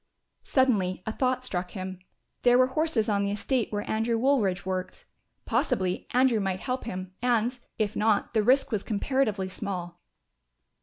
Suddenly a thought struck him, there were horses on the estate where Andrew Woolridge worked. Possibly Andrew might help him and, if not, the risk was comparatively small.